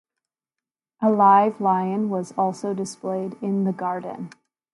A live lion was also displayed in the Garden.